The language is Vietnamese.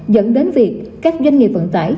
dẫn đến việc các doanh nghiệp vận tải